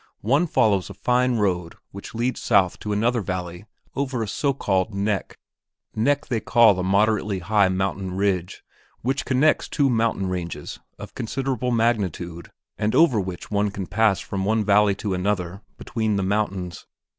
One follows a fine road which leads south to another valley over a so called "neck." Neck they call a moderately high mountain ridge which connects two mountain ranges of considerable magnitude and over which one can pass from one valley to another between the mountains.